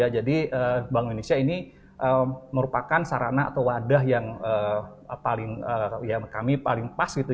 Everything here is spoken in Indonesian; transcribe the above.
jadi bank indonesia ini merupakan sarana atau wadah yang kami paling pas